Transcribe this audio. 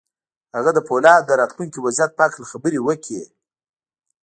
هغه د پولادو د راتلونکي وضعيت په هکله خبرې وکړې.